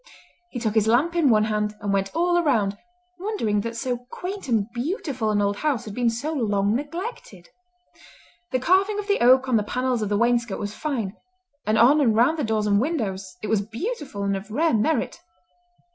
He took his lamp in one hand, and went all around, wondering that so quaint and beautiful an old house had been so long neglected. The carving of the oak on the panels of the wainscot was fine, and on and round the doors and windows it was beautiful and of rare merit.